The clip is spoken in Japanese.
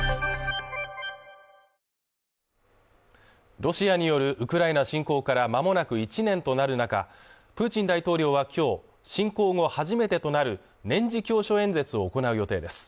ロシアによるウクライナ侵攻からまもなく１年となる中、プーチン大統領は今日、侵攻後初めてとなる年次教書演説を行う予定です。